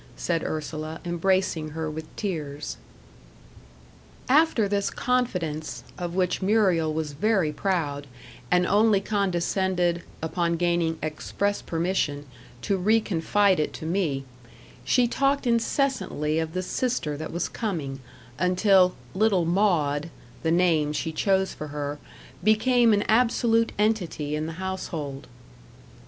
said Ursula, embracing her with tears. After this confidence, of which Muriel was very proud, and only condescended, upon gaining express permission, to re confide it to me, she talked incessantly of the sister that was coming, until "little Maud" the name she chose for her became an absolute entity in the household.